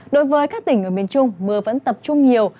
đối với các tỉnh ở miền trung mưa vẫn tập trung nhiều